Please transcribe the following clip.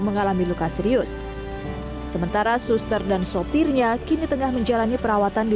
mengalami luka serius sementara suster dan sopirnya kini tengah menjalani perawatan di